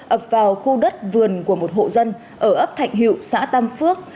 ập vào khu đất vườn của một hộ dân ở ấp thạnh hữu xã tam phước